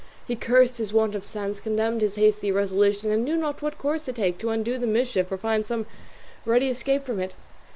He cursed his want of sense, condemned his hasty resolution, and knew not what course to take to undo the mischief or find some ready escape from it.